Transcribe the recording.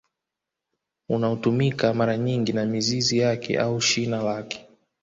Unaotumika mara nyingi na mizizi yake au shina lake